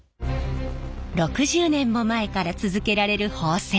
６０年も前から続けられる縫製。